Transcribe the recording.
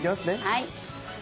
はい。